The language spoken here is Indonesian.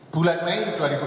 bulan mei dua ribu enam belas